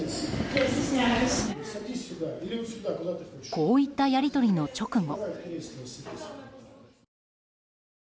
こういったやり取りの直後。